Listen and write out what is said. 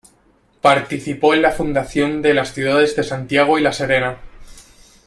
Participó en la fundación de las ciudades de Santiago y La Serena.